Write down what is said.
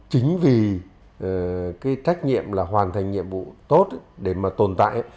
chính vì cái trách nhiệm là hoàn thành nhiệm vụ tốt để mà tồn tại